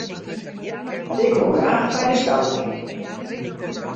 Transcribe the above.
Ik wol graach by de skouting.